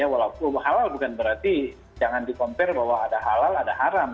walau halal bukan berarti jangan dikompilkan bahwa ada halal ada haram